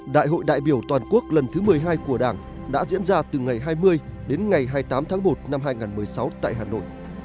đại hội đại biểu toàn quốc lần thứ một mươi hai của đảng đã diễn ra từ ngày hai mươi đến ngày hai mươi tám tháng một năm hai nghìn một mươi sáu tại hà nội